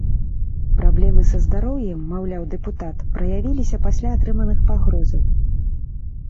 Праблемы са здароўем, маўляў дэпутат, праявіліся пасля атрыманых пагрозаў.